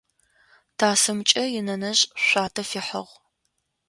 Тасымкӏэ инэнэжъ шъуатэ фихьыгъ.